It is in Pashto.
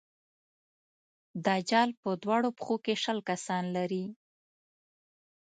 دجال په دواړو پښو کې شل کسان لري.